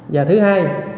và thứ hai